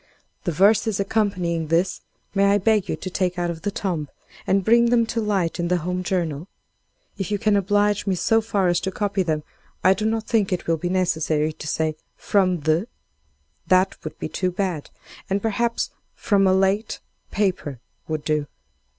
The verses accompanying this, may I beg you to take out of the tomb, and bring them to light in the 'Home Journal?' If you can oblige me so far as to copy them, I do not think it will be necessary to say 'From the ——,' that would be too bad; and, perhaps, 'From a late —— paper,' would do.